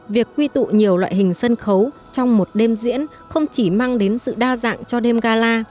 việc quy tụ nhiều loại hình sân khấu trong một đêm diễn không chỉ mang đến sự đa dạng cho đêm gala